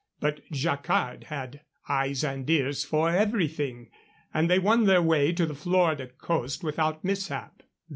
But Jacquard had eyes and ears for everything, and they won their way to the Florida coast without mishap.